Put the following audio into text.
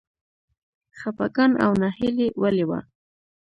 خپګان او ناهیلي ولې وه.